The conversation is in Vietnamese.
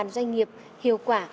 năm trăm linh doanh nghiệp hiệu quả